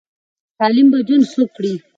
تعلیم به ژوند ښه کړي.